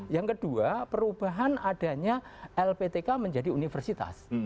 yang kedua perubahan adanya lptk menjadi universitas